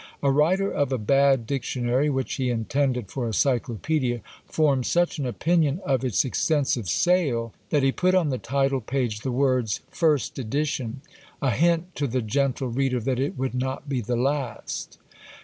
A writer of a bad dictionary, which he intended for a Cyclopaedia, formed such an opinion of its extensive sale, that he put on the title page the words "first edition," a hint to the gentle reader that it would not be the last.